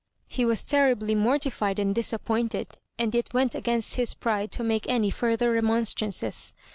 He was terribly mortified and dis appointed, and it went against his pride to make any further remonstrances.